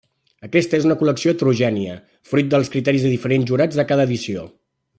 Aquesta és una col·lecció heterogènia fruit dels criteris dels diferents jurats de cada edició.